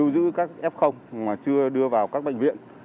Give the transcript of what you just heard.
giữ các f mà chưa đưa vào các bệnh viện